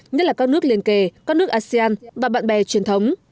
nhất là các nước liên kề các nước asean và bạn bè truyền thống